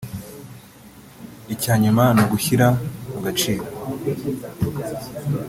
icya nyuma ni ugushyira mu gaciro